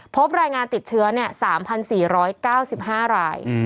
พบรายงานติดเชื้อ๓๔๙๕ราย